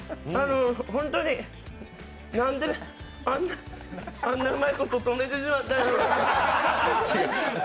本当になんであんなうまいこと止めてしもたんやろ。